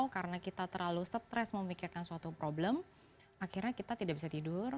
karena kita terlalu stres memikirkan suatu problem akhirnya kita tidak bisa tidur